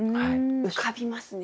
浮かびますね。